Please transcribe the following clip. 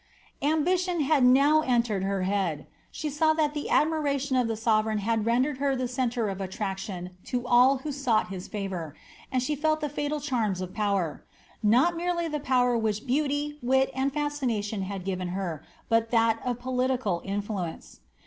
Ambition had now entered her head ; she saw that the admiration of the sovereign had rendered her the centre of attraction to all who sought hit favour; and she felt the fatal charms of power — ^not merely the power which beauty, wit, and fascination, had given her, but that of political influence.